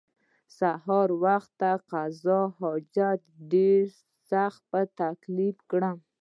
سهار خواته قضای حاجت ډېر سخت په تکلیف کړم.